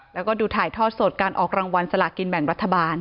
แล้วก็ดูถ่ายทอดสดการออกรางวัลสลากินแบ่งรัฐบาล